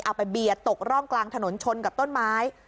เบียดตกร่องกลางถนนชนกับต้นไม้